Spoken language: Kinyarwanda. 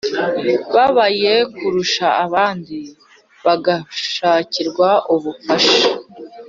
babaye kurusha abandi bagashakirwa ubufasha